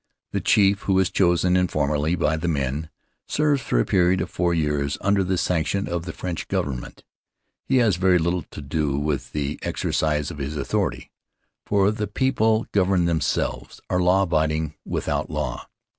The chief, who is chosen informally by the men, serves for a period of four years under the sanction of the French government. He has very little to do in the exercise of his authority, for the people govern themselves, are law abiding without law.